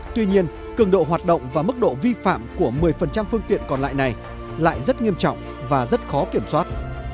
tuy nhiên cường độ hoạt động và mức độ vi phạm của một mươi phương tiện còn lại này lại rất nghiêm trọng và rất khó kiểm soát